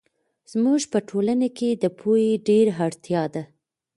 زموږ په ټولنه کې د پوهې ډېر اړتیا ده.